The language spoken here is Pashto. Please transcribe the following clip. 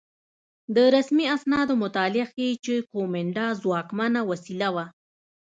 د رسمي اسنادو مطالعه ښيي کومېنډا ځواکمنه وسیله وه